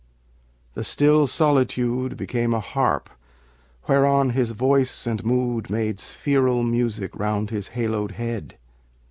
The still solitude Became a harp whereon his voice and mood Made spheral music round his haloed head.